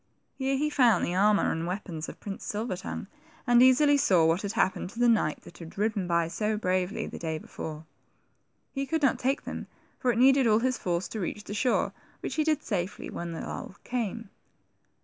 Here he found the armor and weapons of Prince Silver tongue, and easily saw what had happened to the knight that had ridden by so bravely, the day before. He could not take them, for it needed all his force to reach the shore, which he did safely, when the lull came.